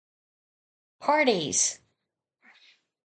Parties!